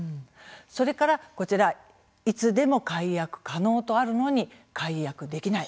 それから、こちらいつでも解約可能とあるのに解約できない。